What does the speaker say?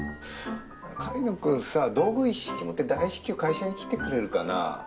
狩野くんさ道具一式持って大至急会社に来てくれるかな？